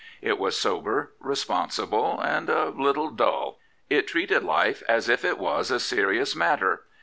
It was sober, responsible, and a little dull. It treated life as if it was a serious matter.